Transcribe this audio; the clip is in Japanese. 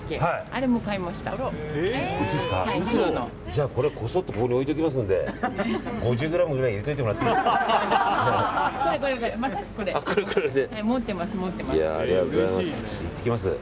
じゃあ、これこそっとここに置いておきますので５０円くらい入れといてもらっていいですか。